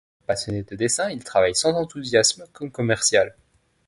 Passionné de dessin, il travaille sans enthousiasme comme commercial.